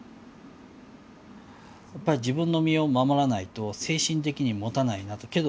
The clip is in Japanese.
やっぱり自分の身を守らないと精神的にもたないなと。